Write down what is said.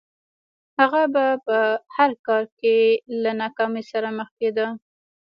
هغه به په هر کار کې له ناکامۍ سره مخ کېده